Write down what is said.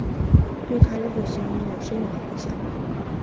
对她日后行医有深远的影响。